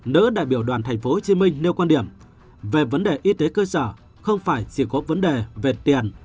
nữ đại biểu đoàn tp hcm nêu quan điểm về vấn đề y tế cơ sở không phải chỉ có vấn đề về tiền